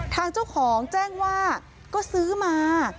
ทางเจ้าของแจ้งว่าก็ซื้อมา